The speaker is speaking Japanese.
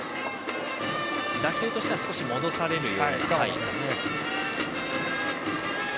打球としては、少し戻される形。